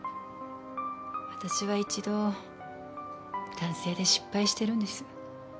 私は一度男性で失敗してるんです。